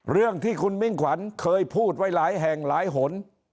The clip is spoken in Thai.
เรื่องที่คุณมิ่งขวัญเคยพูดไว้หลายแห่งหลายหน